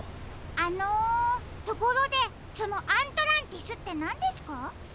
あのところでそのアントランティスってなんですか？